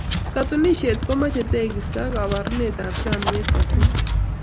katuninisieet ko mochei teegisto ak koboruneetab chomyeet kotugul